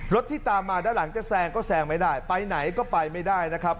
ที่ตามมาด้านหลังจะแซงก็แซงไม่ได้ไปไหนก็ไปไม่ได้นะครับ